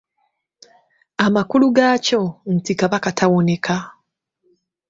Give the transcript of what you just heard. Amakulu gaakyo nti Kabaka tawoneka.